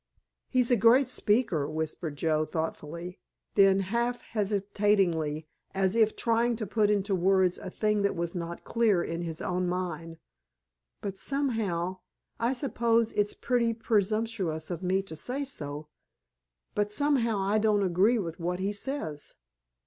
"He's a great speaker," whispered Joe thoughtfully; then half hesitatingly, as if trying to put into words a thing that was not clear in his own mind, "but somehow—I suppose it's pretty presumptuous of me to say so—but somehow I don't agree with what he says."